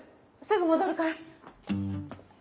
すぐ戻るから。